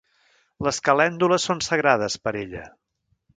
Les calèndules són sagrades per ella.